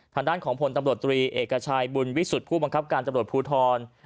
ทางด้านของพลตำรวจตรีเอกชัยบุญวิสุทธิ์ผู้บังคับการตำรวจภูทร